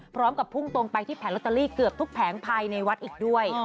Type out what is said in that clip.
พร้อมกับพุ่งตรงไปที่แผงลอตเตอรี่เกือบทุกแผงภายในวัดอีกด้วย